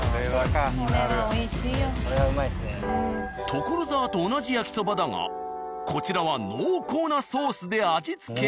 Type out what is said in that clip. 所沢と同じ焼きそばだがこちらは濃厚なソースで味付け。